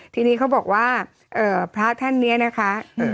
ทีนี้เขาบอกว่าพระท่านนี้นะคะ